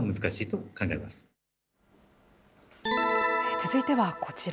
続いてはこちら。